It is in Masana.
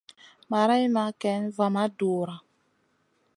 Marayna kayn va ma dura.